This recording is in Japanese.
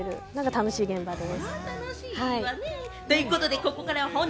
楽しい現場です。